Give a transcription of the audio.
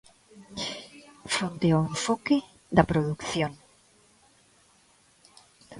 Fronte ao enfoque da produción.